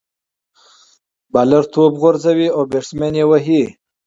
بالر توپ غورځوي، او بيټسمېن ئې وهي.